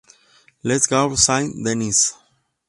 Le Gault-Saint-Denis